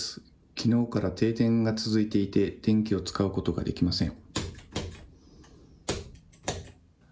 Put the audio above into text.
きのうから停電が続いていて電気を使うことができません。